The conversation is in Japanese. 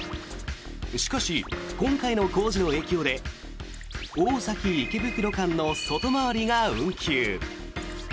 しかし、今回の工事の影響で大崎池袋間の外回りが運休。